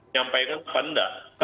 nyampaikan ke benda